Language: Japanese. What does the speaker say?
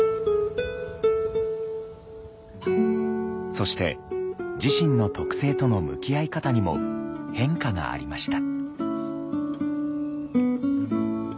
そして自身の特性との向き合い方にも変化がありました。